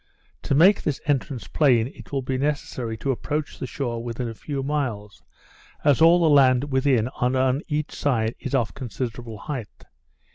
To make this entrance plain, it will be necessary to approach the shore within a few miles, as all the land within and on each side is of considerable height.